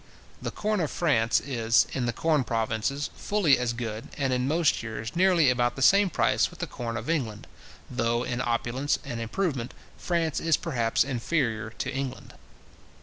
The corn of France is, in the corn provinces, fully as good, and in most years nearly about the same price with the corn of England, though, in opulence and improvement, France is perhaps inferior to England.